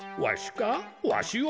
わしは。